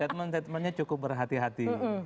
statement statementnya cukup berhati hati